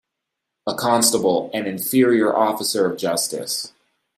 A constable an inferior officer of justice.